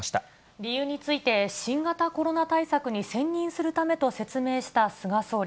理由について、新型コロナ対策に専任するためと説明した菅総理。